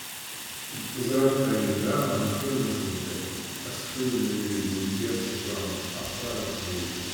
Deg tezrawt-agi-nneɣ nefren-d asentel: asefru ilelli deg urti asefran atrar aqbayli.